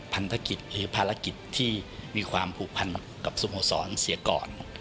พันธกิจหรือภารกิจที่มีความผูกพันกับสโมสรเสียก่อน